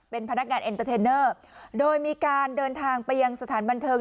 เป็นพนักงานเอ็นเตอร์เทนเนอร์โดยมีการเดินทางไปยังสถานบันเทิง